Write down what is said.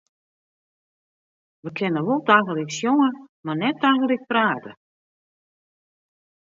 Wy kinne wol tagelyk sjonge, mar net tagelyk prate.